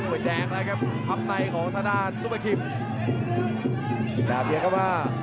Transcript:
โอ้ยแดงแล้วครับพร้อมในของซุปกรีม